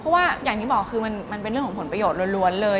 เพราะว่าอย่างที่บอกคือมันเป็นเรื่องของผลประโยชน์ล้วนเลย